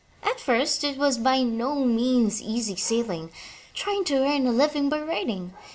At first it was by no means easy sailing, trying to earn a living by writing.